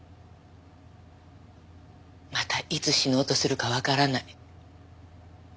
またいつ死のうとするかわからない。